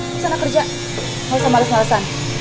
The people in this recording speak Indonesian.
bisa anak kerja gak usah males malesan